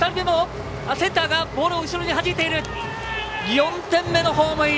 ４点目のホームイン。